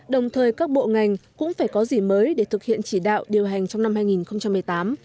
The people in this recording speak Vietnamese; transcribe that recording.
đồng thời các bộ ngành cũng phải có gì mới để thực hiện chỉ đạo điều hành trong năm hai nghìn một mươi tám